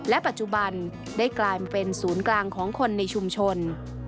ปัจจุบันได้กลายมาเป็นศูนย์กลางของคนในชุมชน